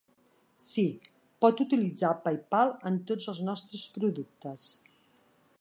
Sí, pot utilitzar PayPal en tots els nostres productes.